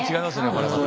これまた。